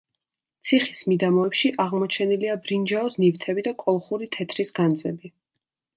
ციხის მიდამოებში აღმოჩენილია ბრინჯაოს ნივთები და კოლხური თეთრის განძები.